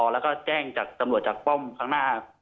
แล้วก็แจ้งจากตำรวจจากป้อมข้างหน้า